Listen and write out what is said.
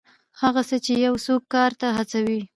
هغه څه چې یو څوک کار ته هڅوي.